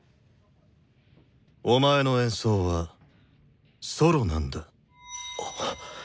お前の演奏は「ソロ」なんだ。